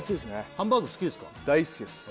ハンバーグ好きですか？